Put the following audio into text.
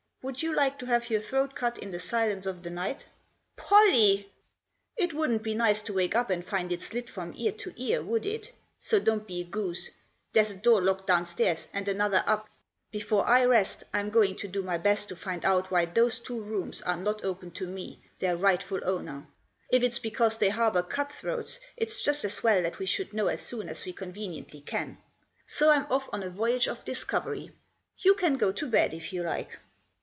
Would you like to have your throat cut in the silence of the night ?"" Pollie !"" It wouldn't be nice to wake up and find it slit from ear to ear, would it ? So don't be a goose. There's a door locked downstairs and another up. Before I rest Digitized by THE SHUTTING OF A DOOR. 103 I'm going to do my best to find out why those two rooms are not open to me, their rightful owner. If it's because they harbour cut throats, it's just as well that we should know as soon as we conveniently can. So Fm off on a voyage of discovery. You can go to bed if you like."